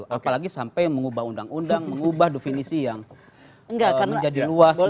apalagi sampai mengubah undang undang mengubah definisi yang menjadi luas